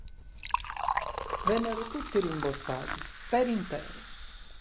Vennero tutti rimborsati per intero.